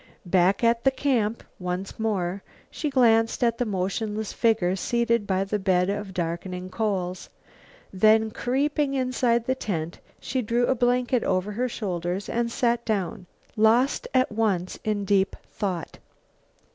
Back at the camp once more, she glanced at the motionless figure seated by the bed of darkening coals. Then, creeping inside the tent, she drew a blanket over her shoulders and sat down, lost at once in deep thought.